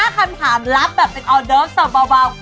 เข้าใจแล้วเข้ามาทำไม